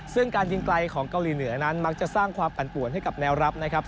ซึ่งการยิงไกลของเกาหลีเหนือนั้นมักจะสร้างความปั่นป่วนให้กับแนวรับนะครับ